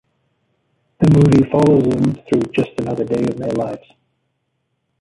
The movie follows them through just another day of their lives.